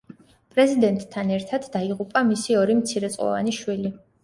პრეზიდენტთან ერთად დაიღუპა მისი ორი მცირეწლოვანი შვილი.